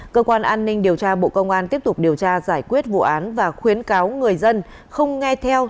cơ quan an ninh điều tra bộ công an tiếp tục điều tra giải quyết vụ án và khuyến cáo người dân không nghe theo